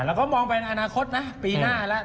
เราก็มองไปในอนาคตนะปีหน้าแล้ว